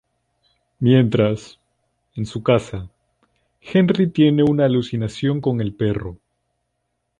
Mientras, en su casa, Henry tiene una alucinación con el perro.